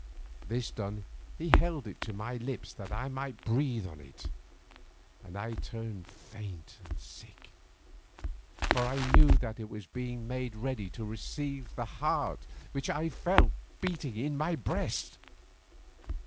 This done he held it to my lips that I might breathe on it, and I turned faint and sick, for I knew that it was being made ready to receive the heart which I felt beating in my breast.